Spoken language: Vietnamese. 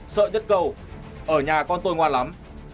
sợ nhất câu ở nhà con tôi ngoan lắm